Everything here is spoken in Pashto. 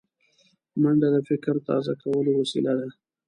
منډه د فکر تازه کولو وسیله ده